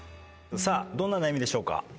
さあどんな悩みでしょうか？